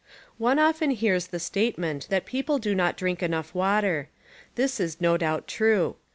One often hears the statement that peojile do not drink enough water. This is no doubt true.